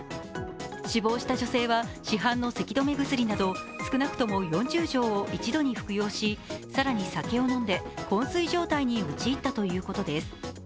死亡した女性は市販のせき止め薬など少なくとも４０錠を１度に服用し更に酒をのんでこん睡状態に陥ったということです。